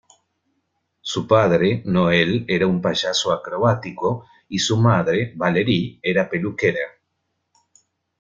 Su padre, Noel, era un payaso acrobático y su madre, Valerie, era peluquera.